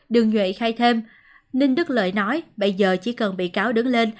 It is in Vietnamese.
đường nhuệ khai thêm ninh đức lợi nói bây giờ chỉ cần bị cáo đứng lên